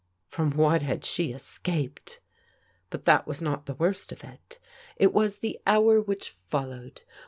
From what had she escaped? But that was not the worst of it. It was the hour which followed.